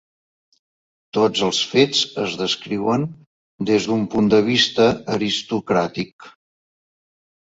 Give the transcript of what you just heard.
Tots els fets es descriuen des d'un punt de vista aristocràtic.